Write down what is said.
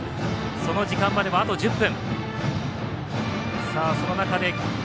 その時間まであと１０分。